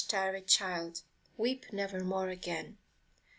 tired child, weep nevermore again.